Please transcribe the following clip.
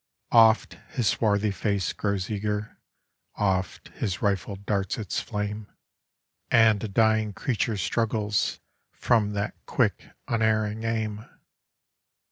Oft his swarthy face grows eager, oft his rifle darts its flame 38 COPALIS. And a dying creature struggles from that quick, unerring aim.